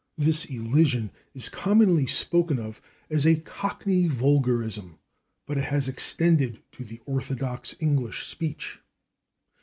This elision is commonly spoken of as a cockney vulgarism, but it has extended to the orthodox English speech.